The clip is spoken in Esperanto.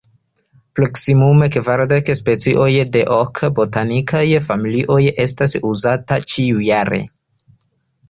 Proksimume kvardek specioj de ok botanikaj familioj estas uzataj ĉiujare.